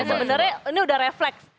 sebenarnya ini udah refleks